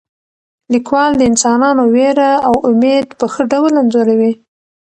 لیکوال د انسانانو ویره او امید په ښه ډول انځوروي.